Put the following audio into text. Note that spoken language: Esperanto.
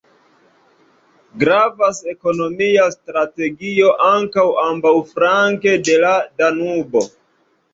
Gravas ekonomia strategio ankaŭ ambaŭflanke de la Danubo.